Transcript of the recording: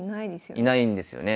いないんですよね。